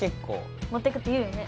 持ってくって言うよね